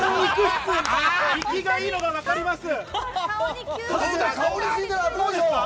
生きいいのがわかります。